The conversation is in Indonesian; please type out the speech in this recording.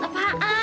tuh tuh tuh tuh tuh